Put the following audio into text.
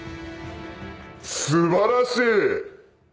素晴らしい！